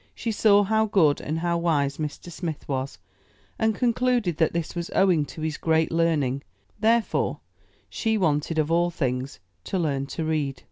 She saw how good and how wise Mr. Smith was, and concluded that this was owing to his great learn ing, therefore she wanted of all things to learn to read.